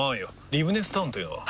リブネスタウンというのは？